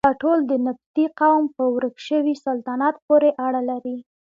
دا ټول د نبطي قوم په ورک شوي سلطنت پورې اړه لري.